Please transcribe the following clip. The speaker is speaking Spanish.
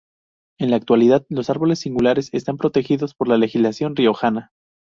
En la actualidad, los árboles singulares están protegidos por la legislación riojana.